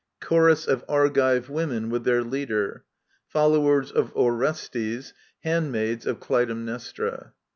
Chorus of Argive Women, with their Leader* Followers of Orestes ; Handmaids of Clytemnestra.